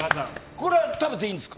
これは食べていいんですか？